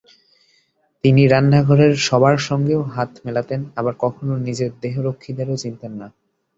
তিনি রান্নাঘরের সবার সঙ্গেও হাত মেলাতেন, আবার কখনো নিজের দেহরক্ষীদেরও চিনতেন না।